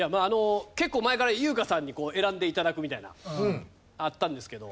結構前から優香さんに選んで頂くみたいなあったんですけど。